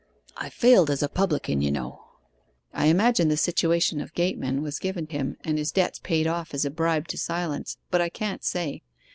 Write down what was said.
I failed as a publican, you know." I imagine the situation of gateman was given him and his debts paid off as a bribe to silence; but I can't say.